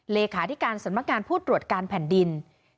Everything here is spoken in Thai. เลขาธิการสำนักงานผู้ตรวจการแผ่นดิน